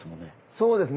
そうですね。